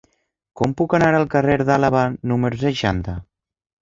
Com puc anar al carrer d'Àlaba número seixanta?